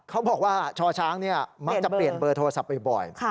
เขาบอกว่าช่อช้างมักจะเปลี่ยนเบอร์โทรศัพท์บ่อย